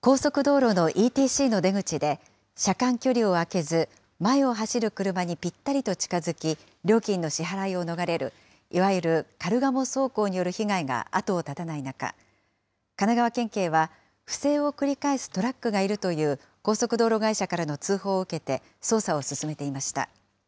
高速道路のＥＴＣの出口で車間距離を空けず、前を走る車にぴったりと近づき、料金の支払いを逃れる、いわゆるカルガモ走行による被害が後を絶たない中、神奈川県警は、不正を繰り返すトラックがいるという、高速道路会社からの通報を受けて、捜査を進めていました。